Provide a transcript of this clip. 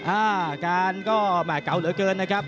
อาการก็แหม่เก่าเหลือเกินนะครับ